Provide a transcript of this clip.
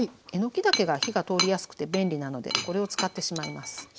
えのきだけが火が通りやすくて便利なのでこれを使ってしまいます。